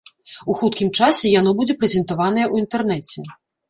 У хуткім часе яно будзе прэзентаванае ў інтэрнэце.